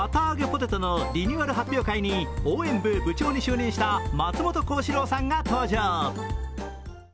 ポテトのリニューアル発表会に応援部部長に就任した松本幸四郎さんが登場。